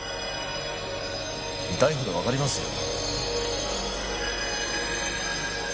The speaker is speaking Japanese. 痛いほどわかりますよ。